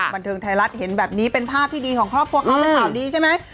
บันเทิงไทยรัฐเห็นแบบนี้เป็นภาพที่ดีของครอบครัวเขาเป็นข่าวดีใช่ไหม